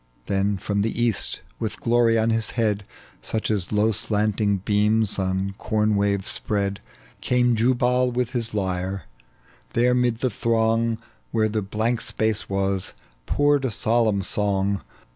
Then from the east, witli glory on his head Such as low slanting beams on corn waves spread, Came Jubal with his lyre : there 'mid the throng, Where the blank space was, poured a solemn song.